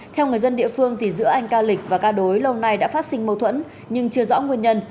theo người dân địa phương thì giữa anh ca lịch và ca đối lâu nay đã phát sinh mâu thuẫn nhưng chưa rõ nguyên nhân